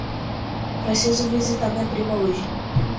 Preciso visitar minha prima hoje.